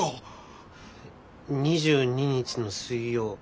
２２日の水曜。